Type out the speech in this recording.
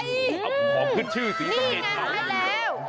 ขอบคุณชื่อสิทธิ์นี่ไงให้แล้ว